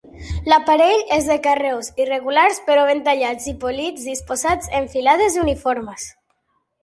L'aparell és de carreus irregulars, però ben tallats i polits, disposats en filades uniformes.